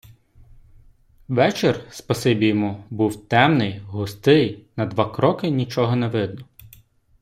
Вечір, спасибі йому, був темний, густий, на два кроки нічого не видно.